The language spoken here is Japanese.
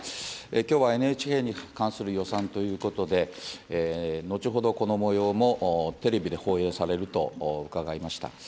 きょうはＮＨＫに関する予算ということで、後ほど、このもようもテレビで放映されると伺いました。